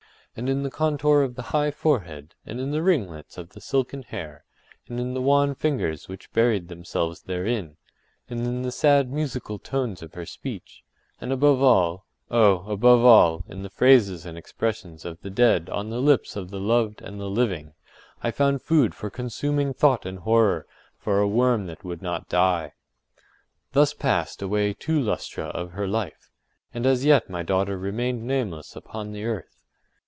And in the contour of the high forehead, and in the ringlets of the silken hair, and in the wan fingers which buried themselves therein, and in the sad musical tones of her speech, and above all—oh! above all—in the phrases and expressions of the dead on the lips of the loved and the living, I found food for consuming thought and horror—for a worm that would not die. Thus passed away two lustra of her life, and as yet my daughter remained nameless upon the earth.